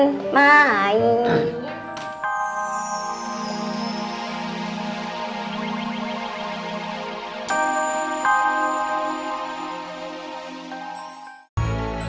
ibu mau minum nggak bapak